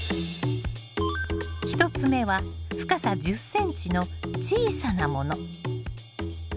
１つ目は深さ１０ｃｍの小さなもの。